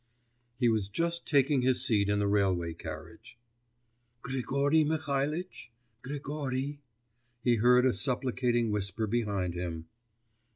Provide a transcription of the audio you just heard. He was just taking his seat in the railway carriage. 'Grigory Mihalitch ... Grigory....' he heard a supplicating whisper behind him.